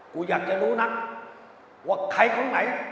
เขียวปักเลยไม่พูดสักคำกลับไม้กลับมือแน่ง